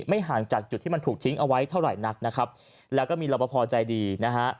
ห่างจากจุดที่มันถูกทิ้งเอาไว้เท่าไหร่นักนะครับแล้วก็มีรับประพอใจดีนะฮะ